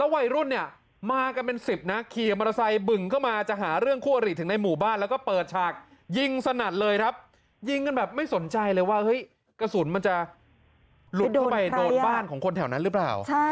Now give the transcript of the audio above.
หลุดเข้าไปโดนบ้านของคนแถวนั้นหรือเปล่า